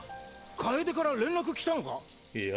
楓から連絡来たのか⁉いや。